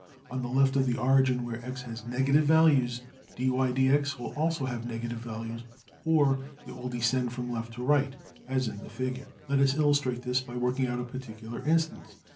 On the left of the origin, where $x$ has negative values, $\dfrac{dy}{dx}$~will also have negative values, or will descend from left to right, as in the Figure. Let us illustrate this by working out a particular instance.